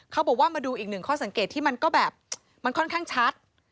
เขาบอกว่ามาดูอีกหนึ่งข้อสังเกตที่มันก็แบบมันค่อนข้างชัด